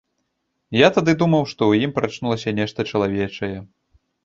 Я тады думаў, што ў ім прачнулася нешта чалавечае.